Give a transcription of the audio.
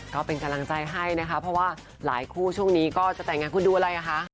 ก็เป็นกำลังใจให้นะคะเพราะว่าหลายคู่ช่วงนี้ก็จะแต่งงานคุณดูอะไรอ่ะคะ